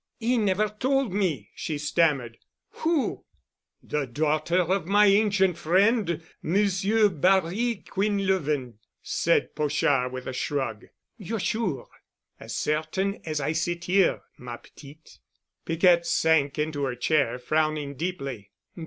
"He never told me," she stammered. "Who——?" "The daughter of my ancient friend, Monsieur Barry Quinlevin," said Pochard with a shrug. "You're sure?" "As certain as I sit here, ma petite." Piquette sank into her chair, frowning deeply.